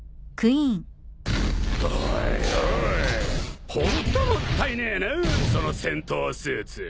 おいおいホントもったいねえなその戦闘スーツ。